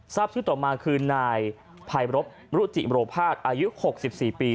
ทราบชื่อต่อมาคือนายภัยรบมรุจิโรภาคอายุ๖๔ปี